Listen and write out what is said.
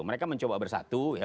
mereka mencoba bersatu ya